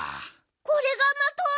これがまと？